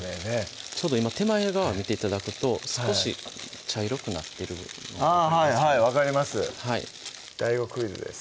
ちょうど今手前側見て頂くと少し茶色くなってるのがあぁはいはい分かりますはいＤＡＩＧＯクイズです